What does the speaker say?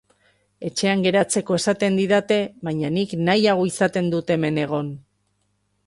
Etxean geratzeko esaten didate, baina nik nahiago izaten dut hemen egon.